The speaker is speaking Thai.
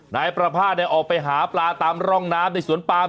นายประภาษณ์ออกไปหาปลาตามร่องน้ำในสวนปาม